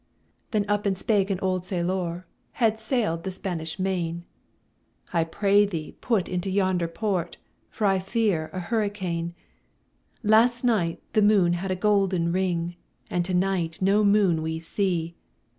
Then up and spake an old sailòr, Had sail'd the Spanish Main, 'I pray thee, put into yonder port, For I fear a hurricane. 'Last night, the moon had a golden ring, And to night no moon we see!'